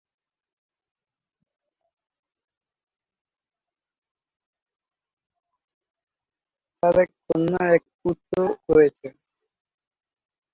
তাঁর এক কন্যা ও এক পুত্র রয়েছে।